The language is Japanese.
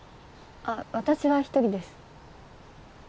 あっ私は１人です。